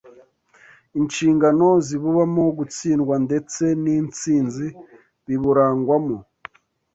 inshingano zibubamo, gutsindwa ndetse n’intsinzi biburangwamo